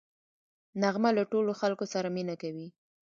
نغمه له ټولو خلکو سره مینه کوي